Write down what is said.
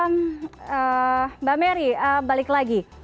mbak merry balik lagi